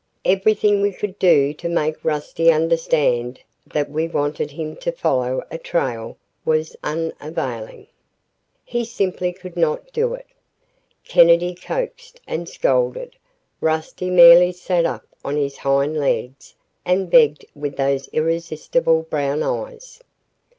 Everything we could do to make Rusty understand that we wanted him to follow a trail was unavailing. He simply could not do it. Kennedy coaxed and scolded. Rusty merely sat up on his hind legs and begged with those irresistible brown eyes.